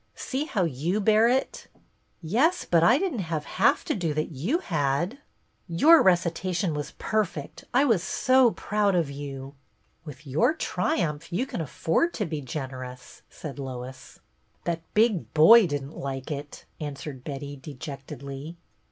See how you bear it." "Yes, but I didn't have half to do that you had." "Your recitation was perfect. I was so proud of you." " With your triumph you can afford to be generous," said Lois. " That big boy did n't like it," answered Betty, dejectedly.